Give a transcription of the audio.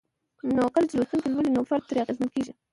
نو کله چې لوستونکي لولي نو فرد ترې اغېزمن کيږي